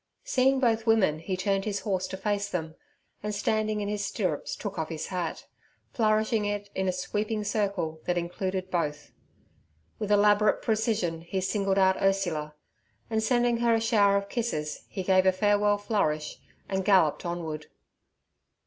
Seeing both women he turned his horse to face them, and standing in his stirrups took off his hat, flourishing it in a sweeping circle that included both. With elaborate precision he singled out Ursula, and sending her a shower of kisses, he gave a farewell flourish and galloped onward.